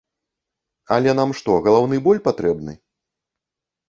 Але нам што, галаўны боль патрэбны?